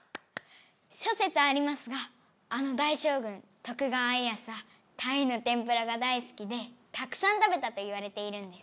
しょせつありますがあの大しょうぐん徳川家康はたいのてんぷらが大すきでたくさん食べたといわれているんです。